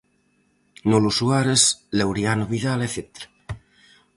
Nolo Suárez, Laureano Vidal, etcétera.